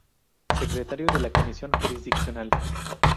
Secretario de la Comisión Jurisdiccional.